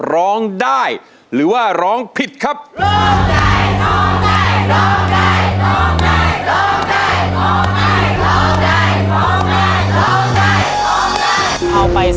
มีได้